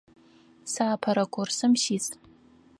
Сэ апэрэ курсым сис.